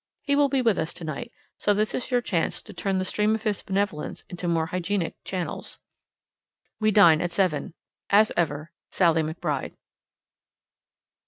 He will be with us tonight, so this is your chance to turn the stream of his benevolence into more hygienic channels. We dine at seven. As ever, SALLIE McBRIDE.